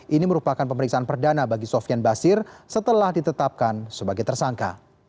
ini merupakan pemeriksaan perdana bagi sofian basir setelah ditetapkan sebagai tersangka